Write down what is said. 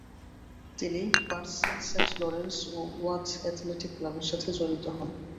তিনি Pudsey Saint Lawrence ও Wath athletic ক্লাবের সাথে জড়িত হন।